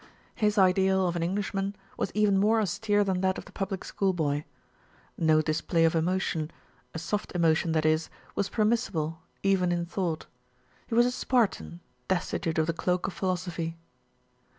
His ideal of an Englishman was even more austere than that of the public schoolboy. No display of emotion, a soft emotion that is, was permissible, even in thought. He was a Spartan, destitute of the cloak of philosophy.